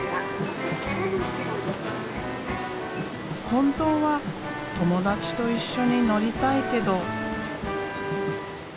本当は友達と一緒に乗りたいけど。